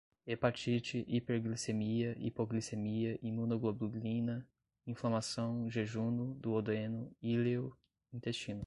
hepatite, hiperglicemia, hipoglicemia, imunoglobulina, inflamação, jejuno, duodeno, íleo, intestino